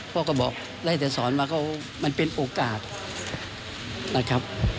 พ่อก็บอกได้แต่สอนมาเขามันเป็นโอกาสนะครับ